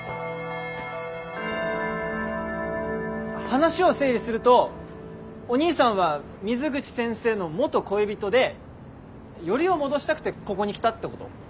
話を整理するとおにいさんは水口先生の元恋人でよりを戻したくてここに来たってこと？